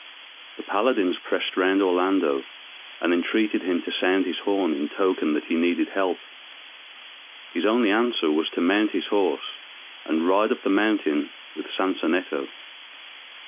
The paladins pressed round Orlando, and entreated him to sound his horn, in token that he needed help. His only answer was to mount his horse, and ride up the mountain with Sansonetto.